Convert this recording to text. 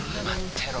てろ